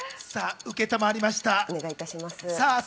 承りました。